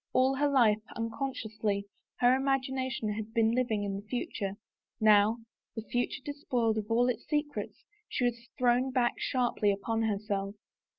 All her life, unconsciously, her imagination had been living in the future, now, the future despoiled of its secrets, she was thrown back sharply upon herself.